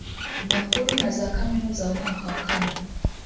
makuru na za kaminuza mu mwaka wa kane